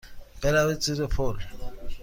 بروید زیر پل.